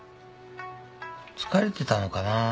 疲れてたのかなあ。